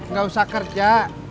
gak usah kerja